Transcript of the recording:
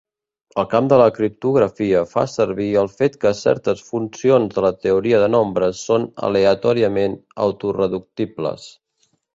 El camp de la criptografia fa servir el fet que certes funcions de la teoria de nombres són aleatòriament autoreductibles.